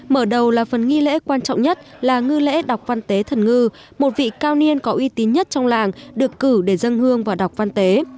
mở đầu là phần nghi lễ quan trọng nhất là ngư lễ đọc văn tế thần ngư một vị cao niên có uy tín nhất trong làng được cử để dân hương và đọc văn tế